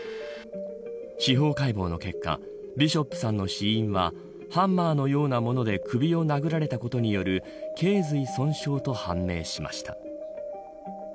司法解剖の結果ビショップさんの死因はハンマーのような物で首を殴られたことによる頚髄損傷と判明しました。